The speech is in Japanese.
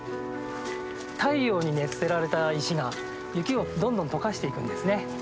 太陽に熱せられた石が雪をどんどん解かしていくんですね。